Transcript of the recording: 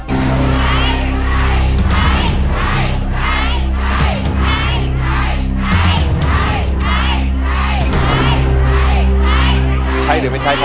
ในเพลงแรกนี้จะใช้หรือไม่ใช้ครับ